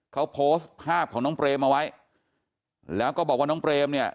เขาโพสต์ภาพของน้องเปรมเอาไว้แล้วก็บอกว่าน้องเปรมเนี่ย